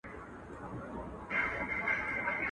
خلک ئې زیارت ته تللي ول.